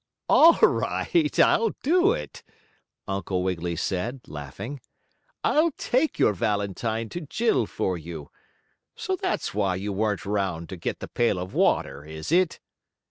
"All right, I'll do it," Uncle Wiggily said, laughing. "I'll take your valentine to Jill for you. So that's why you weren't 'round to get the pail of water; is it?"